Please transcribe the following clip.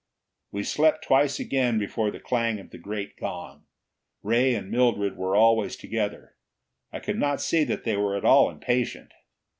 We slept twice again before the clang of the great gong. Ray and Mildred were always together; I could not see that they were at all impatient.